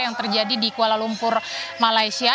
yang terjadi di kuala lumpur malaysia